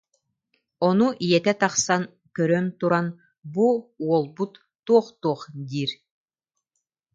Ону ийэтэ тахсан көрөн туран: «Бу уолбут туох-туох диир